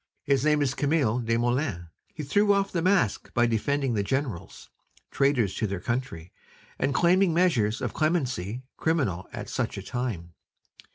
His name is Camille Desmoulins. He threw off the mask by defending the Generals, traitors to their country, and claiming measures of clemency criminal at such a time.